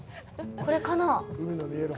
これかなあ？